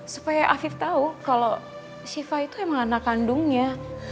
supaya afif tahu kalau siva itu emang anak kandungnya